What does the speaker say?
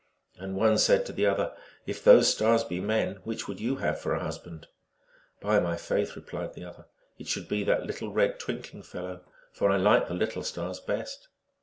And one said to the other, " If those Stars be men, which would you have for a husband ?"" By my faith," replied the other, " it should be that little red, twin kling fellow, for I like the little stars best."